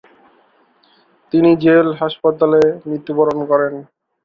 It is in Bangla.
তিনি জেল হাসপাতালে মৃত্যুবরণ করেন।